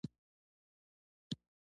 لنګر په دغه ترتیب وچلاوه.